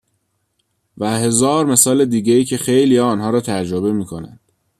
و هزار مثال دیگه ای که خیلی ها آن ها را تجربه می کنند.